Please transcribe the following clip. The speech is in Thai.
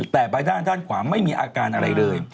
แต่ใบด้านด้านขวาไม่มีอาการอะไรเลย